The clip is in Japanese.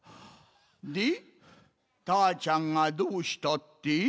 でたーちゃんがどうしたって？